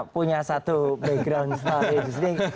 punya satu background